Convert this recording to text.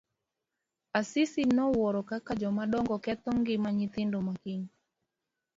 Asisi nowuoro kaka joma dongo ketho ngima nyihindi makiny.